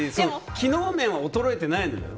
機能面は衰えてないのよ。